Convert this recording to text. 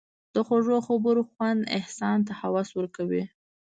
د خوږو خبرو خوند انسان ته هوس ورکوي.